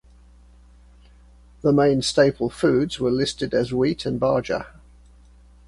The main staple foods were listed as wheat and bajra.